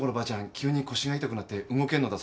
急に腰が痛くなって動けんのだそうです。